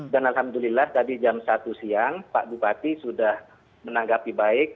dan alhamdulillah tadi jam satu siang pak bupati sudah menanggapi baik